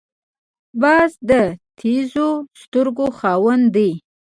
باز د تېزو سترګو خاوند دی